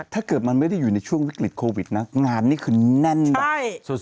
ถ้าเกิดมันไม่ได้อยู่ในช่วงวิกฤตโควิดนะงานนี่คือแน่นแบบสุด